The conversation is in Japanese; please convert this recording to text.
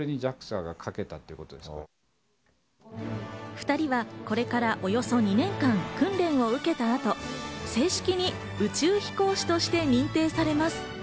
２人はこれから、およそ２年間の訓練を受けた後、正式に宇宙飛行士として認定されます。